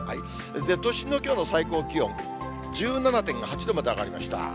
都心のきょうの最高気温、１７．８度まで上がりました。